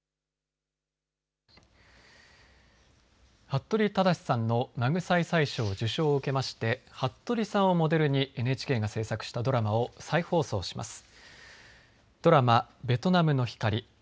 服部匡志さんのマグサイサイ賞受賞を受けまして服部さんをモデルにＮＨＫが制作したドラマを再放送します。